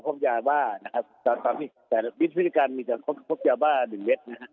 ก็พบยาบ้านะครับแต่วิทยาพิการมีการพบยาบ้าหนึ่งเว็บนะครับ